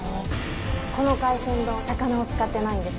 この海鮮丼魚を使っていないんです。